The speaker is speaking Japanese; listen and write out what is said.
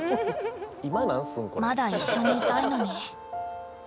まだ一緒にいたいのに。